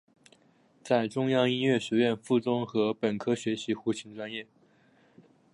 在中央音乐学院附中和本科学习胡琴专业。